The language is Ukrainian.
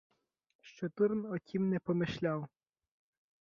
Що Турн о тім не помишляв.